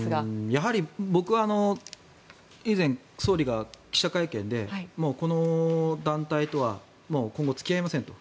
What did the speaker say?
やはり僕は以前、総理が記者会見でこの団体とは今後付き合いませんと。